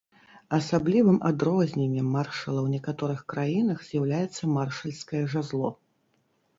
Асаблівым адрозненнем маршала ў некаторых краінах з'яўляецца маршальскае жазло.